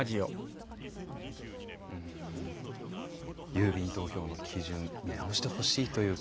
郵便投票の基準見直してほしいという声。